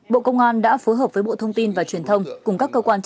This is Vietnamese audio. bộ công an đã phối hợp với bộ thông tin và truyền thông